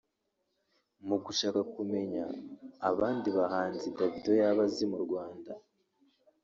Mu gushaka kumenya abandi bahanzi Davido yaba azi mu Rwanda